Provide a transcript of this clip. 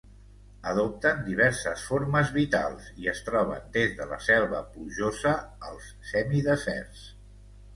Adopten diverses formes vitals i es troben des de la selva plujosa als semideserts.